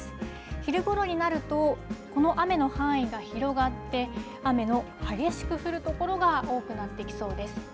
昼ごろになるとこの雨の範囲が広がって雨の激しく降るところが多くなってきそうです。